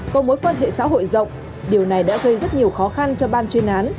có mối quan hệ xã hội rộng điều này đã gây rất nhiều khó khăn cho ban chuyên án